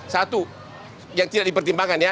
satu yang tidak dipertimbangkan ya